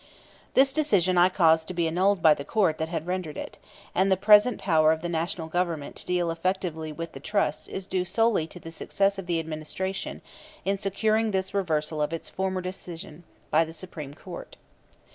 This decision I caused to be annulled by the court that had rendered it; and the present power of the National Government to deal effectively with the trusts is due solely to the success of the Administration in securing this reversal of its former decision by the Supreme Court.